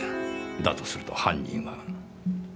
だとすると犯人は。